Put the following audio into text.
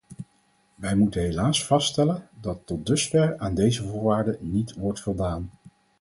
Wij moeten helaas vaststellen dat tot dusver aan deze voorwaarden niet wordt voldaan.